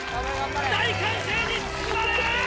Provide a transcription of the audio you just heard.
大歓声に包まれる！